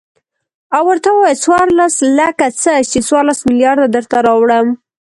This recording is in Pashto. او ورته ووايه څورلس لکه څه ،چې څورلس ملېارده درته راوړم.